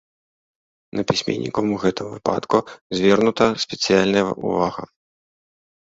На пісьменнікаў у гэтым выпадку звернута спецыяльная ўвага.